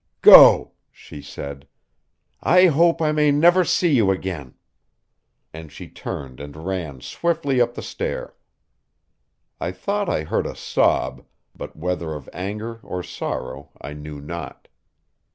"Go!" she said. "I hope I may never see you again!" And she turned and ran swiftly up the stair. I thought I heard a sob, but whether of anger or sorrow I knew not.